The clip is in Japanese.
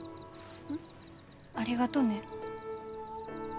ん？ありがとね。